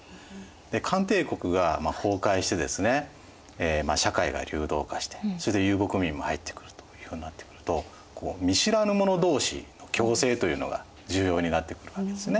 で漢帝国が崩壊してですね社会が流動化してそれで遊牧民も入ってくるというようになってくると見知らぬ者同士の共生というのが重要になってくるわけですね。